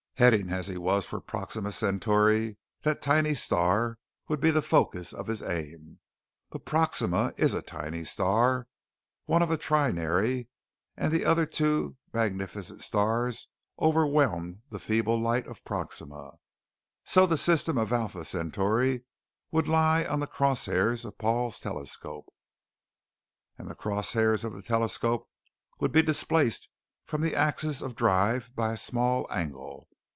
Heading as he was for Proxima Centauri, that tiny star would be the focus of his aim. But Proxima is a tiny star, one of a trinary, and the other two magnificent stars overwhelmed the feeble light of Proxima. So the system of Alpha Centauri would lie on the cross hairs of Paul's telescope. And the cross hairs of the telescope would be displaced from the axis of drive by a small angle.